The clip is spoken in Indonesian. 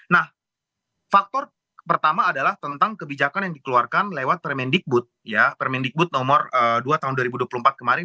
nah faktor pertama adalah tentang kebijakan yang dikeluarkan lewat permendikbud permendikbud nomor dua tahun dua ribu dua puluh empat kemarin